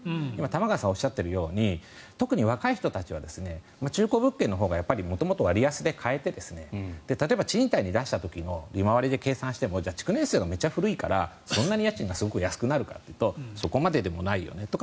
玉川さんがおっしゃっているように特に若い人たちは中古物件のほうが元々割安で買えて例えば、賃貸に出した時の利回りで計算しても築年数がめっちゃ古いから家賃が安くなるかというとそうでもないよねと。